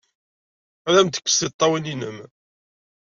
Ad am-d-tekkes tiṭṭawin-nnem!